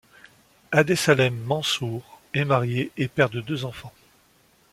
Abdessalem Mansour est marié et père de deux enfants.